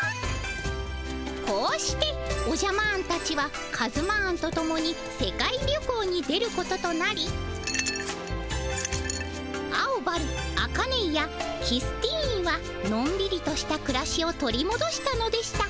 こうしておじゃマーンたちはカズマーンとともに世界旅行に出ることとなりアオバルアカネイアキスティーンはのんびりとしたくらしを取りもどしたのでした。